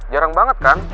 jarang banget kan